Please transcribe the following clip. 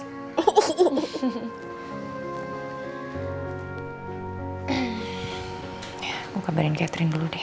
ya aku kabarin catherine dulu deh